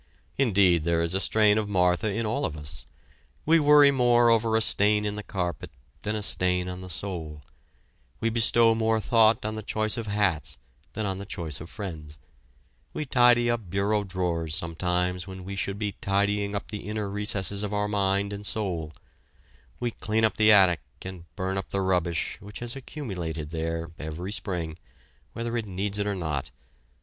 Indeed there is a strain of Martha in all of us; we worry more over a stain in the carpet than a stain on the soul; we bestow more thought on the choice of hats than on the choice of friends; we tidy up bureau drawers, sometimes, when we should be tidying up the inner recesses of our mind and soul; we clean up the attic and burn up the rubbish which has accumulated there, every spring, whether it needs it or not.